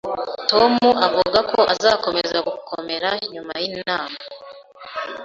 Tom avuga ko azakomeza gukomera nyuma yinama